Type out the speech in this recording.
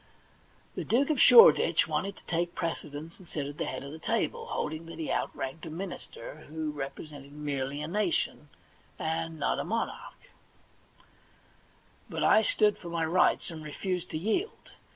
The Duke of Shoreditch wanted to take precedence, and sit at the head of the table, holding that he outranked a minister who represented merely a nation and not a mon arch ; but I stood for my rights, and refused to yield.